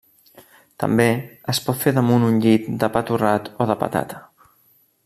També es pot fer damunt un llit de pa torrat o de patata.